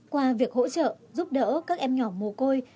qua việc hỗ trợ giúp đỡ các em nhỏ mồ côi